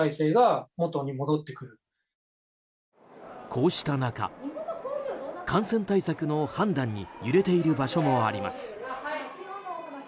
こうした中、感染対策の判断に揺れている場所もあります。